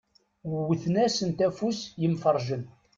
Wwten-asent afus yemferrǧen.